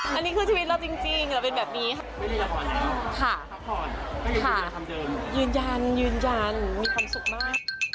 ไม่มีละครอบครับค่ะค่ะค่ะยืนยันมีความสุขมาก